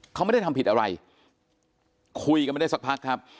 เขาไม่ได้ทำผิดอะไรคุยกันไม่ได้สักพักครับ